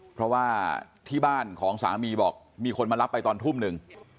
เพราะว่าที่บ้านของสามีบอกมีคนมารับไปตอนทุ่มหนึ่ง